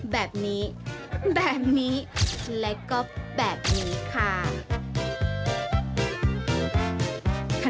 แบบนี้แบบนี้และก็แบบนี้ค่ะ